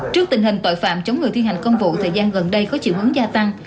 trước tình hình tội phạm chống người thi hành công vụ thời gian gần đây có chiều hướng gia tăng